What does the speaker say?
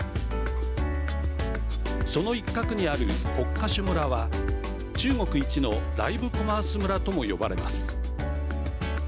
その一角にある北下朱村は中国一のライブコマース村とも呼ばれます。